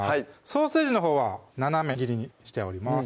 ソーセージのほうは斜め切りにしております